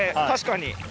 確かに。